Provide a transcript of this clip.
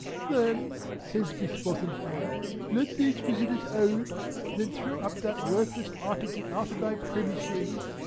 "Then" says Miss Wozenham "let these visitors out, and then throw up that worthless article out of my premises."